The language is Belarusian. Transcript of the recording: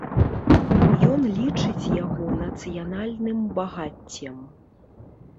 Ён лічыць яго нацыянальным багаццем.